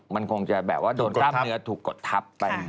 มันคงจะแบบว่าโดนกล้ามเนื้อถูกกดทับไป